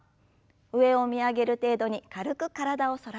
上を見上げる程度に軽く体を反らせます。